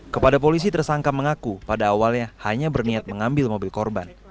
kepada polisi tersangka mengaku pada awalnya hanya berniat mengambil mobil korban